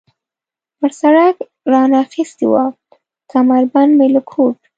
پر سړک را نه اخیستې وه، کمربند مې له کوټ.